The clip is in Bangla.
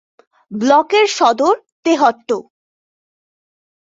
ব্লকের সদর তেহট্ট।